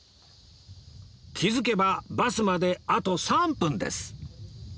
気づけばバスまであと３分です